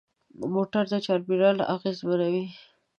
موټر د چاپېریال اغېزمنوي.